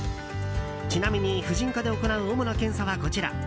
ちなみに婦人科で行う主な検査はこちら。